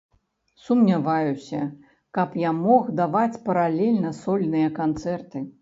Сумняваюся, каб я мог даваць паралельна сольныя канцэрты.